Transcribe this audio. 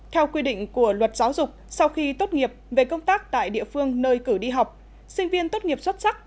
theo quy định của luật giáo dục sau khi tốt nghiệp về công tác tại địa phương nơi cử đi học sinh viên tốt nghiệp xuất sắc